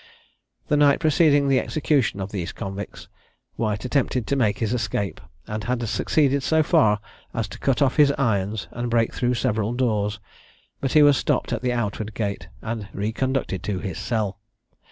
The night preceding the execution of these convicts, White attempted to make his escape, and had succeeded so far as to cut off his irons, and break through several doors; but he was stopped at the outward gate, and reconducted to his cell.